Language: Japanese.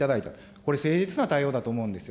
これ、誠実な対応だと思うんですよ。